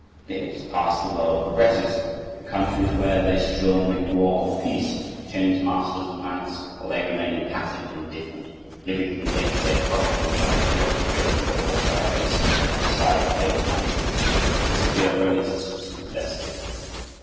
The ages pass. The world progresses. The countries where they sojourn make war or peace, change masters and manners, while they remain impassive and indifferent, living from day to day, profiting by the preoccupations caused by events which decide the fate of nations, to secure their own existence with less difficulty....